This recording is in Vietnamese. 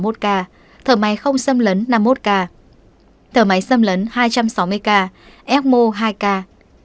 thở máy không xâm lấn năm mươi một ca thở máy xâm lấn hai trăm sáu mươi ca emo hai k